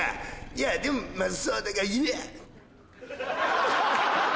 いやでもまずそうだがうわっ。